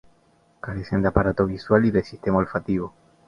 Carecen de aparato visual y de sistema olfativo.